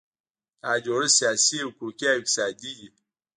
دا جوړښت سیاسي، حقوقي او اقتصادي وي.